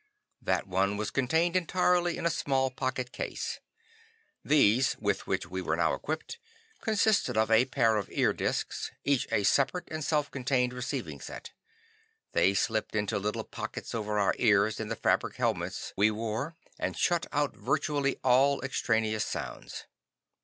That one was contained entirely in a small pocket case. These, with which we were now equipped, consisted of a pair of ear discs, each a separate and self contained receiving set. They slipped into little pockets over our ears in the fabric helmets we wore, and shut out virtually all extraneous sounds.